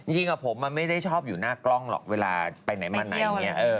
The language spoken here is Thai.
จริงผมมันไม่ได้ชอบอยู่หน้ากล้องหรอกเวลาไปไหนมาไหนอย่างนี้